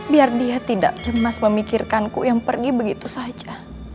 biar dia tidak cemas memikirkanku yang pergi begitu saja